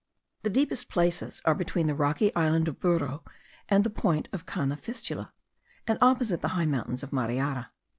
The deepest places are between the rocky island of Burro and the point of Cana Fistula, and opposite the high mountains of Mariara.